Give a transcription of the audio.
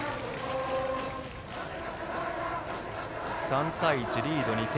３対１、リード２点。